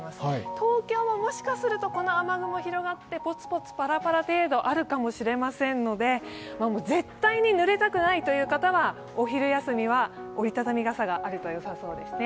東京ももしかすると、この雨雲広がって、ポツポツ、パラパラ程度あるかもしれませんので絶対にぬれたくないという方はお昼休みは折り畳み傘があるとよさそうですね。